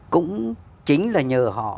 cũng chính là nhờ họ